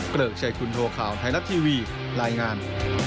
เกริกชัยคุณโทข่าวไทยรัฐทีวีรายงาน